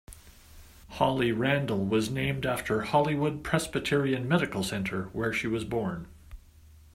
Holly Randall was named after Hollywood Presbyterian Medical Center where she was born.